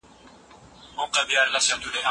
له دې کوره د ژړا اواز راځي.